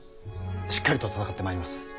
しっかりと戦ってまいります。